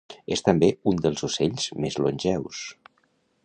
És també un dels ocells més longeus.